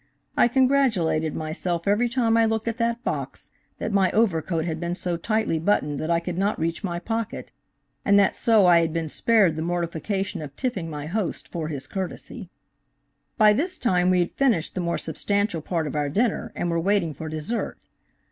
I congratulated myself every time I looked at that box that my overcoat had been so tightly buttoned that I could not reach my pocket, and that so I had been spared the mortificatlon of tipping my host for his courtesy." By this time we had finished the more substantial part of our dinner, and were waiting for dessert.